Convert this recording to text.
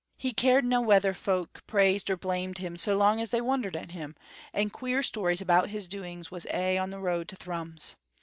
He caredna whether the folk praised or blamed him so long as they wondered at him, and queer stories about his doings was aye on the road to Thrums.